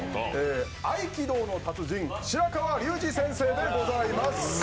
合気道の達人白川竜次先生でございます。